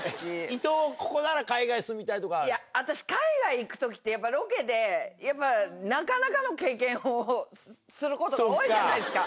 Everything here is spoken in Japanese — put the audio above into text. いとう、ここなら海外住みた私、海外行くときってやっぱロケで、なかなかの経験をすることが多いじゃないですか。